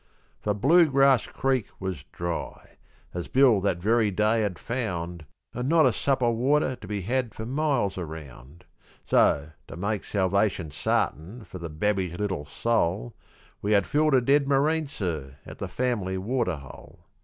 For Bluegrass Creek was dry, as Bill that very day had found, An' not a sup o' water to be had for miles around; So, to make salvation sartin for the babby's little soul, We had filled a dead marine, sir, at the fam'ly waterhole.